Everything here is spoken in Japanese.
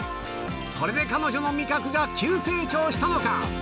これで彼女の味覚が急成長したのか。